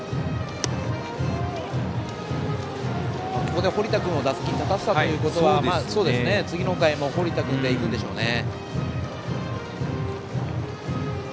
ここで堀田君を打席に立たせたのは次の回も堀田君でいくんでしょうね。